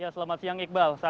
selamat siang iqbal